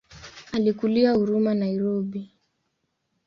Alikulia Huruma Nairobi.